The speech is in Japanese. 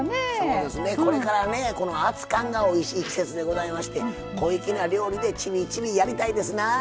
そうですねこれからね熱かんがおいしい季節でございまして小粋な料理でちびちびやりたいですな。